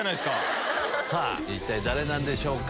一体誰なんでしょうか？